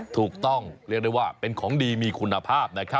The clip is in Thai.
ถูกต้องเรียกได้ว่าเป็นของดีมีคุณภาพ